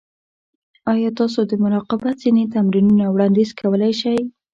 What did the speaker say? ایا تاسو د مراقبت ځینې تمرینونه وړاندیز کولی شئ؟